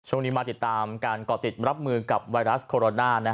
ช่วงนี้มาติดตามการก่อติดรับมือกับไวรัสโคโรนา